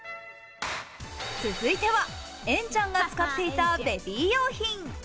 続いては、縁ちゃんが使っていたベビー用品。